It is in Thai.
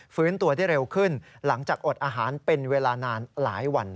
ตัวได้เร็วขึ้นหลังจากอดอาหารเป็นเวลานานหลายวัน